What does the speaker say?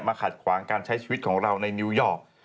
ขัดขวางการใช้ชีวิตของเราในนิวยอร์ก